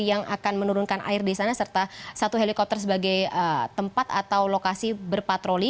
yang akan menurunkan air di sana serta satu helikopter sebagai tempat atau lokasi berpatroli